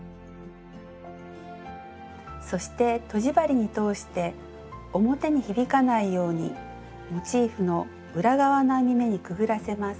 そしてとじ針に通して表に響かないようにモチーフの裏側の編み目にくぐらせます。